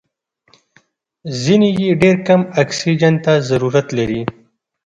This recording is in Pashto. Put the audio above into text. ځینې یې ډېر کم اکسیجن ته ضرورت لري.